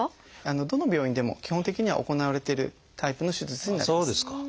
どの病院でも基本的には行われてるタイプの手術になります。